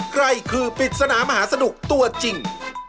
ใครคือปริศนามหาสนุกตัวจริง